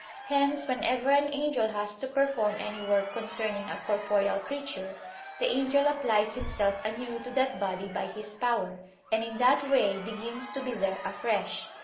Hence, whenever an angel has to perform any work concerning a corporeal creature, the angel applies himself anew to that body by his power; and in that way begins to be there afresh.